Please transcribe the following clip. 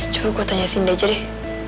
coba gua tanya sinda aja deh